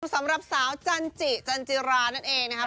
สำหรับสาวจันจิจันจิรานั่นเองนะครับ